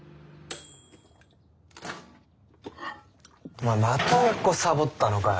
お前また学校サボったのかよ。